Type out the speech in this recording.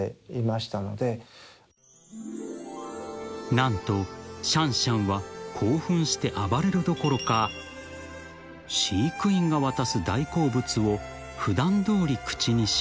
［何とシャンシャンは興奮して暴れるどころか飼育員が渡す大好物を普段どおり口にし］